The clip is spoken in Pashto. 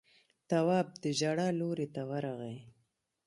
تواب د ژړا لورې ته ورغی.